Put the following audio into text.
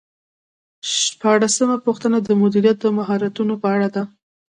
شپاړسمه پوښتنه د مدیریت د مهارتونو په اړه ده.